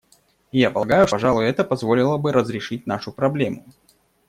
И я полагаю, что, пожалуй, это позволило бы разрешить нашу проблему.